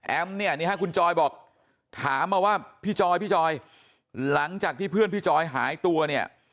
เนี่ยนี่ฮะคุณจอยบอกถามมาว่าพี่จอยพี่จอยหลังจากที่เพื่อนพี่จอยหายตัวเนี่ย